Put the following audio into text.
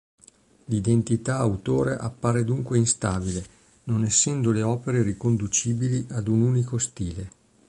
L'identità autore appare dunque instabile, non essendo le opere riconducibili ad un unico stile.